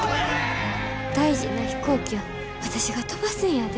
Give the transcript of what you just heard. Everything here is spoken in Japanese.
大事な飛行機を私が飛ばすんやで。